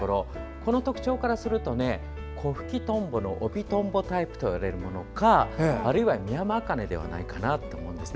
この特徴からするとコフキトンボといわれるものかあるいはミヤマアカネではないかと思うんですね。